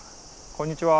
こんにちは。